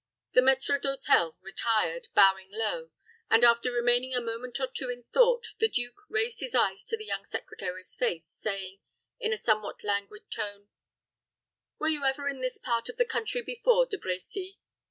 The maître d'hôtel retired, bowing low; and, after remaining a moment or two in thought, the duke raised his eyes to the young secretary's face, saying, in a somewhat languid tone, "Were you ever in this part of the country before, De Brecy?"